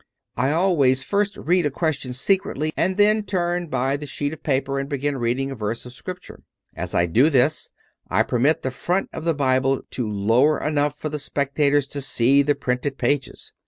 I always first read a question secretly, and then turn by the sheet of paper and begin reading a verse of Scrip ture. As I do this I permit the front of the Bible to lower enough for the spectators to see the printed pages.